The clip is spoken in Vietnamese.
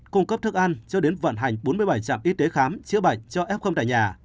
cung cấp thức ăn cho đến vận hành bốn mươi bảy trạm y tế khám chữa bệnh cho ép không tải nhà